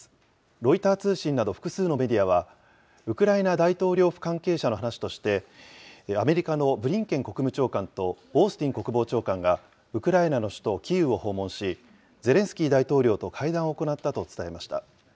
ロイター通信など複数のメディアは、ウクライナ大統領府関係者の話として、アメリカのブリンケン国務長官と、オースティン国防長官がウクライナの首都キーウを訪問し、ゼレンスキー大統領と会談を行ったと伝えました。